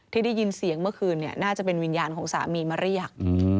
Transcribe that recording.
ที่ได้ยินเสียงเมื่อคืนน่าจะเป็นวิญญาณของสามีมาเรียก